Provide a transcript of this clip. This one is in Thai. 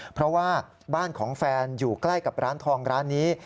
เพราะว่าบ้านของแฟนอยู่ใกล้กับร้านทองร้านนี้